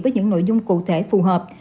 với những nội dung cụ thể phù hợp